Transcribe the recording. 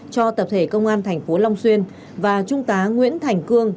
cho tập thể công an thành phố long xuyên và trung tá nguyễn thành cương